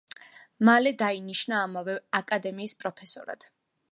მალე დაინიშნა ამავე აკადემიის პროფესორად.